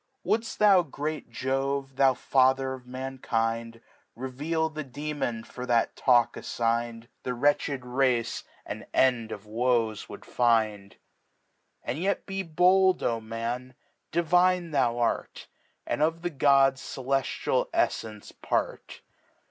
Woulcfe thou, grt^LtJoue^ thou Father of Mankind, Reveal the Demon for that Talk affign'd, iThe wretched Race an End of Woes would find. And yet be bold, O Man, divine thou art. And of the Gods celeftial EfTence Part.